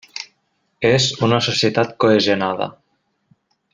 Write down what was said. És una societat cohesionada.